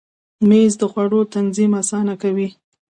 مېز د خوړو تنظیم اسانه کوي.